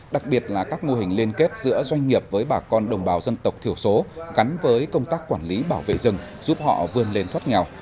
đặc biệt là các mô hình liên kết giữa doanh nghiệp với bà con đồng bào dân tộc thiểu số gắn với công tác quản lý bảo vệ rừng giúp họ vươn lên thoát nghèo